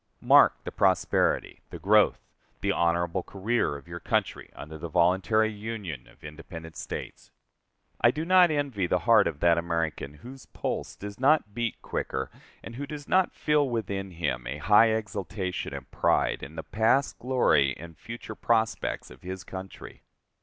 Mark the prosperity, the growth, the honorable career of your country under the voluntary union of independent States. I do not envy the heart of that American whose pulse does not beat quicker, and who does not feel within him a high exultation and pride, in the past glory and future prospects of his country.